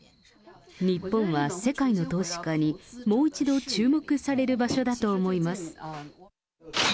日本は世界の投資家に、もう一度注目される場所だと思います。